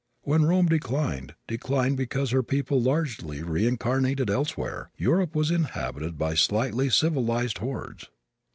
When Rome declined declined because her people largely reincarnated elsewhere Europe was inhabited by slightly civilized hordes.